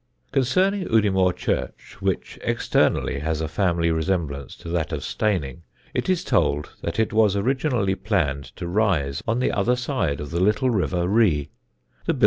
Concerning Udimore church, which externally has a family resemblance to that of Steyning, it is told that it was originally planned to rise on the other side of the little river Ree.